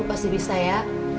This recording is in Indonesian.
ibu pasti bisa ya